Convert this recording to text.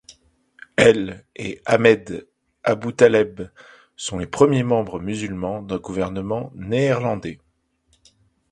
Elle et Ahmed Aboutaleb sont les premiers membres musulmans d'un gouvernement néerlandais.